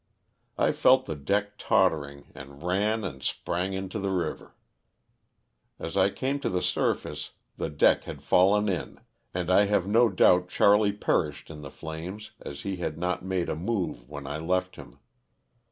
I felt the deck tottering and ran and sprang into the river. As I came to the surface the deck had fallen in and I have no doubt Charley per ished in the flames as he had not made a move when I left him.